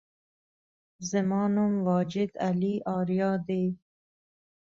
زما نوم واجد علي آریا دی